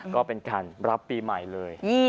ก็เป็นการรับปีใหม่เลย